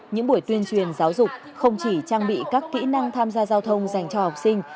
những buổi tuyên truyền giáo dục không chỉ trang bị các kỹ năng tham gia giao thông dành cho học sinh